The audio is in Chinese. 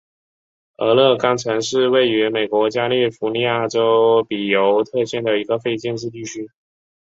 俄勒冈城是位于美国加利福尼亚州比尤特县的一个非建制地区。